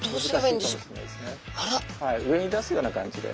上に出すような感じで。